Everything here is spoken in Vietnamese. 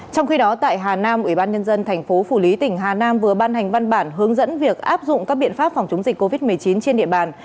trong khi đó tại hà nam ubnd tp phủ lý tỉnh hà nam vừa ban hành văn bản hướng dẫn việc áp dụng các biện pháp phòng chống dịch covid một mươi chín trên địa bàn